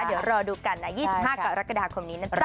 เดี๋ยวรอดูกันนะ๒๕กรกฎาคมนี้นะจ๊